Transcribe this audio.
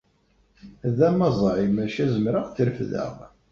D amaẓay maca zemreɣ ad t-refdeɣ.